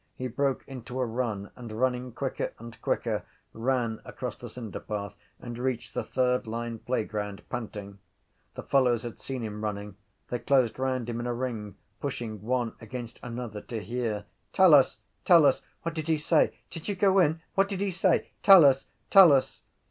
He broke into a run and, running quicker and quicker, ran across the cinderpath and reached the third line playground, panting. The fellows had seen him running. They closed round him in a ring, pushing one against another to hear. —Tell us! Tell us! —What did he say? —Did you go in? —What did he say? —Tell us! Tell us!